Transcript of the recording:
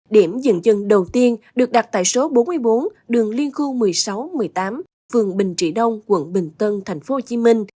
điểm dừng chân đầu tiên được đặt tại số bốn mươi bốn đường liên khu một mươi sáu một mươi tám phường bình trị đông quận bình tân tp hcm